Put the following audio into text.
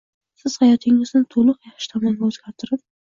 Siz hayotingizni to’liq yaxshi tomonga o’zgartirib